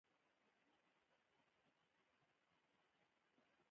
معایناتو ښوده چې د اشلي کیسه